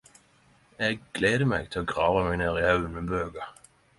Eg gleder meg til å grave meg ned i haugen med bøker.